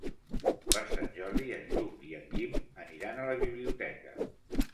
Per Sant Jordi en Lluc i en Guim aniran a la biblioteca.